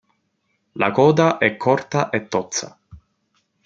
La coda è corta e tozza.